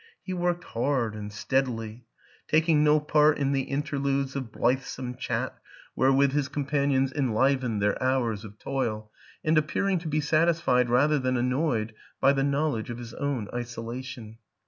He worked hard and steadily; taking no part in the interludes of blithesome chat wherewith his companions en WILLIAM AN ENGLISHMAN 7 livened their hours of toil and appearing to be satisfied rather than annoyed by the knowledge of his own isolation.